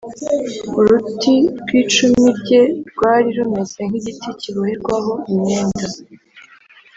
Uruti rw’icumu rye rwari rumeze nk’igiti kiboherwaho imyenda